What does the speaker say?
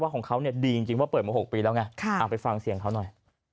ว่าของเขาเนี่ยดีจริงจริงว่าเปิดมาหกปีแล้วไงค่ะเอาไปฟังเสียงเขาหน่อย